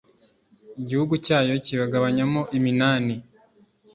igihugu cyayo ikibagabanyamo iminani